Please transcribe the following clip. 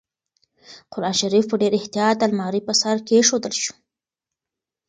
قرانشریف په ډېر احتیاط د المارۍ په سر کېښودل شو.